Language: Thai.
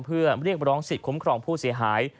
เพื่อเรียกร้องสิทธิคุ้มครองผู้เสียหาย